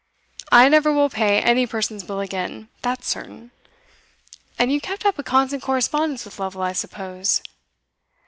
I never will pay any person's bill again, that's certain. And you kept up a constant correspondence with Lovel, I suppose?"